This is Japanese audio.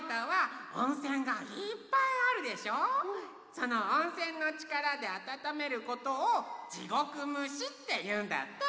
その温泉のちからであたためることを地獄蒸しっていうんだって。